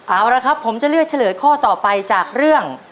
เอาละครับผมจะเลือกเฉลยข้อต่อไปจากเรื่อง